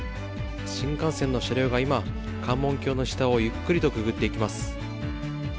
新幹線の車両が今、関門橋の下をゆっくりとくぐっていきます。